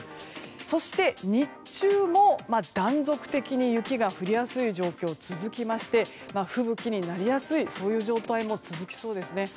そして、日中も断続的に雪が降りやすい状況が続きまして、吹雪になりやすい状態も続きそうですね。